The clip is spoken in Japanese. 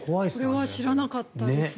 これは知らなかったですね。